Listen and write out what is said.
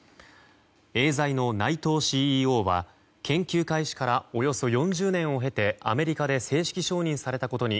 エーザイの内藤ＣＥＯは研究開始からおよそ４０年を経てアメリカで正式承認されたことに